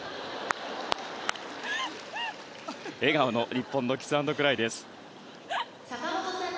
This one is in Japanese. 笑顔の日本のキスアンドクライです。